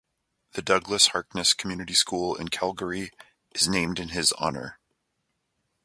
The "Douglas Harkness Community School" in Calgary is named in his honour.